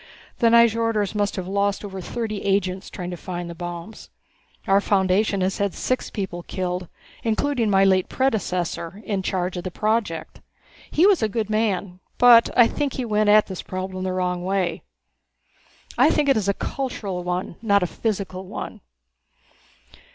The Nyjorders must have lost over thirty agents trying to find the bombs. Our foundation has had six people killed including my late predecessor in charge of the project. He was a good man, but I think he went at this problem the wrong way. I think it is a cultural one, not a physical one."